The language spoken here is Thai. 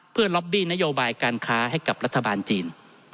เพื่อล็อบบี้นโยบายการค้าให้กับรัฐบาลจีน